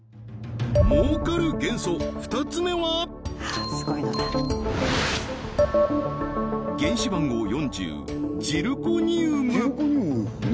儲かる元素２つ目は原子番号４０ジルコニウム